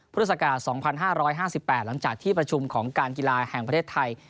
พุทธศักราช๒๕๕๘หลังจากที่ประชุมของการกีฬาแห่งประเทศไทย